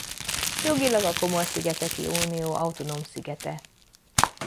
Jogilag a Comore-szigeteki Unió autonóm szigete.